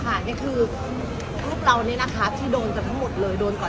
ท่านค่ะนี่คือรูปเรานี้นะคะที่ด่งจะทั้งหมดเลยโดนก่อน